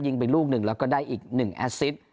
ยิงไปลูกหนึ่งแล้วก็ได้อีก๑แอสซิต